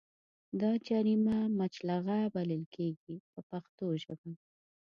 دا جریمه مچلغه بلل کېږي په پښتو ژبه.